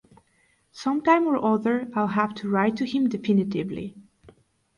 Some time or other I'll have to write to him definitively.